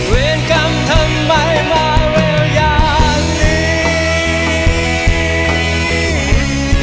เวรกรรมทำไมมาเร็วอย่างนี้